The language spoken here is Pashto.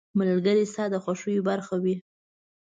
• ملګری ستا د خوښیو برخه وي.